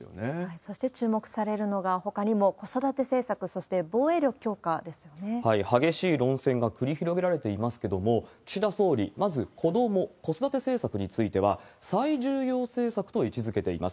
そして注目されるのが、ほかにも子育て政策、そして防衛力強激しい論戦が繰り広げられていますけれども、岸田総理、まず子ども・子育て政策については、最重要政策と位置づけています。